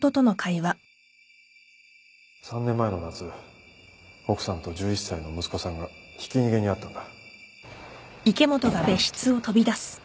３年前の夏奥さんと１１歳の息子さんがひき逃げに遭ったんだ